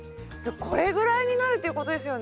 これぐらいになるということですよね？